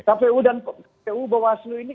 kpu dan kpu bawaslu ini